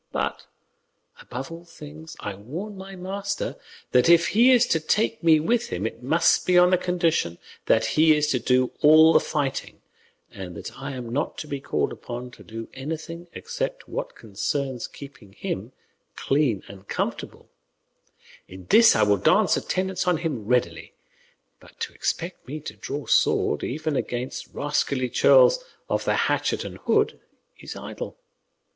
But, above all things, I warn my master that if he is to take me with him it must be on the condition that he is to do all the fighting, and that I am not to be called upon to do anything except what concerns keeping him clean and comfortable; in this I will dance attendance on him readily; but to expect me to draw sword, even against rascally churls of the hatchet and hood, is idle.